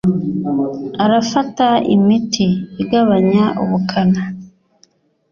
arafata imiti igabanya ubukana.